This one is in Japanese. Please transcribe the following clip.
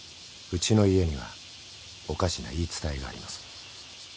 ［うちの家にはおかしな言い伝えがあります］